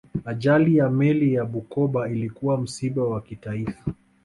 ajali ya meli ya bukoba ilikuwa msiba wa kitaifa